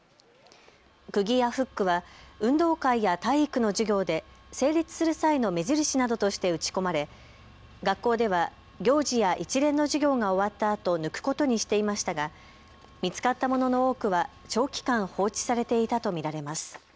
くぎやフックは運動会や体育の授業で整列する際の目印などとして打ち込まれ学校では行事や一連の授業が終わったあと、抜くことにしていましたが見つかったものの多くは長期間放置されていたと見られます。